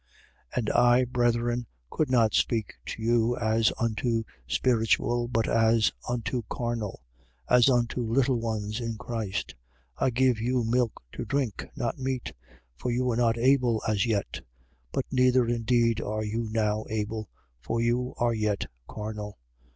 3:1. And I, brethren, could not speak to you as unto spiritual, but as unto carnal. As unto little ones in Christ. 3:2. I gave you milk to drink, not meat: for you were not able as yet. But neither indeed are you now able: for you are yet carnal.